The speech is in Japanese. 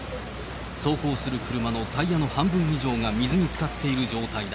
走行する車のタイヤの半分以上が水につかっている状態だ。